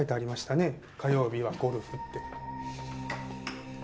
火曜日はゴルフって。